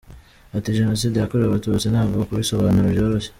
Ati “Jenoside yakorewe Abatutsi ntabwo kubisobanura byoroshye.